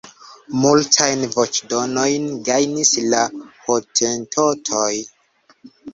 Multajn voĉdonojn gajnis la hotentotoj.